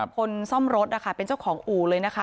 คนซ่อมรถนะคะเป็นเจ้าของอู่เลยนะคะ